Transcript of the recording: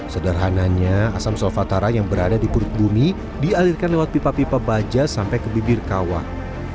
sederhananya asam solvatara yang berada di perut bumi dialirkan lewat pipa pipa baja sampai ke bibir kawah